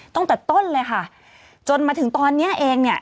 ตั้งแต่ต้นเลยค่ะจนมาถึงตอนนี้เองเนี่ย